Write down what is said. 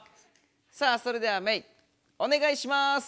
さあそれではメイお願いします。